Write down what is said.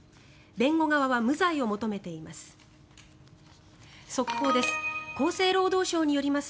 弁護側は無罪を求めています。